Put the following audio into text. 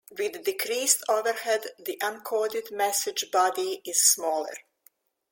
With decreased overhead, the encoded message body is smaller.